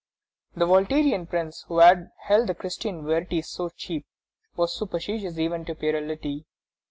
This Voltairean Prince, who had held the Christian verities so cheap, was superstitious even to puerility.